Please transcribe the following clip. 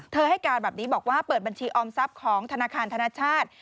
ให้การแบบนี้บอกว่าเปิดบัญชีออมทรัพย์ของธนาคารธนชาติ